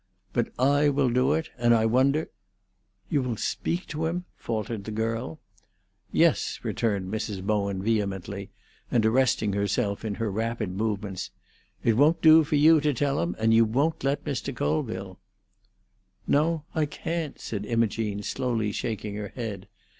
"But I will do it, and I wonder——" "You will speak to him?" faltered the girl. "Yes!" returned Mrs. Bowen vehemently, and arresting herself in her rapid movements. "It won't do for you to tell him, and you won't let Mr. Colville." "No, I can't," said Imogene, slowly shaking her head.